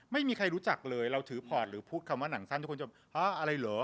ไม่มีใครรู้จักเลยเราถือพอร์ตหรือพูดคำว่าหนังสั้นทุกคนจะอะไรเหรอ